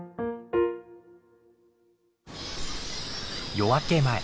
夜明け前。